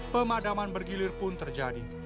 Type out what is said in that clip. pemadaman bergilir pun terjadi